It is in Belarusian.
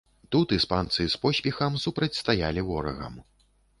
Тут іспанцы з поспехам супрацьстаялі ворагам.